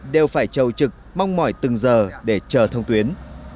đều phải trầu trực mong mỏi từng giờ để chờ thông tuyến